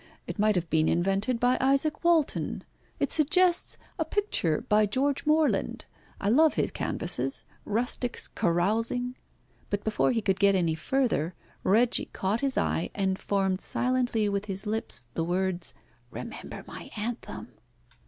It might have been invented by Izaac Walton. It suggests a picture by George Morland. I love his canvases, rustics carousing " But before he could get any further, Reggie caught his eye and formed silently with his lips the words, "Remember my anthem."